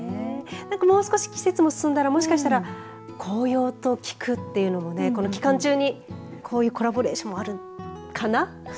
何かもう少し季節も進んだらもしかしたら紅葉と菊っていうのもこの期間中にコラボレーションもあるかな。